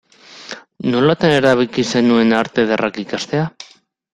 Nolatan erabaki zenuen Arte Ederrak ikastea?